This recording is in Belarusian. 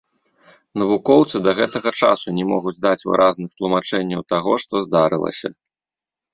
Навукоўцы да гэтага часу не могуць даць выразных тлумачэнняў таго, што здарылася.